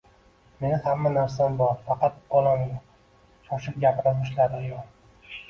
Meni hamma narsam bor, faqat bolam yo`q, shoshib gapira boshladi ayol